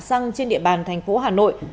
tình trạng xăng trên địa bàn thành phố hà nội